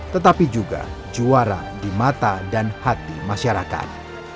tetapi juga juara di mata dan hati masyarakat